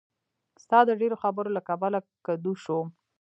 ستا د ډېرو خبرو له کبله کدو شوم.